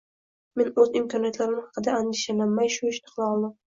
Men oʻz imkoniyatlarim haqida andishalanmay shu ishni qila oldim